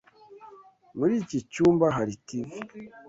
Muri iki cyumba hari TV.